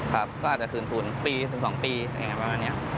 ครับก็อาจจะคืนทุนปีถึง๒ปีประมาณนี้